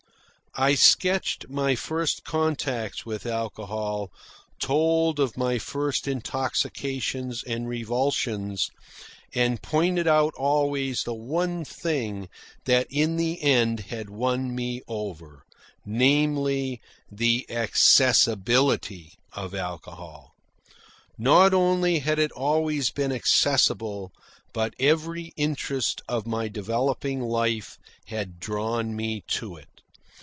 I sketched my first contacts with alcohol, told of my first intoxications and revulsions, and pointed out always the one thing that in the end had won me over namely, the accessibility of alcohol. Not only had it always been accessible, but every interest of my developing life had drawn me to it.